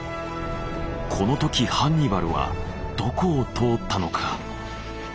この時ハンニバルはどこを通ったのか？